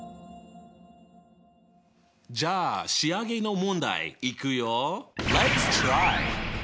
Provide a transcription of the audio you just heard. じゃあ仕上げの問題いくよ。